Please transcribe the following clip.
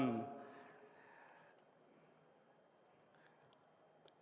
dan di dalam